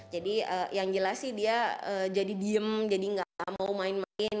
jadi yang jelas sih dia jadi diem jadi nggak mau main main